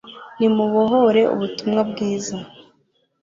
nimubohore ubutumwa bwiza